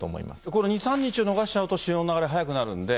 これ、２、３日を逃しちゃうと潮の流れ速くなるので。